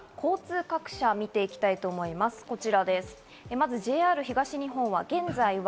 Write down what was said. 交通各社を見ていきたいと思います。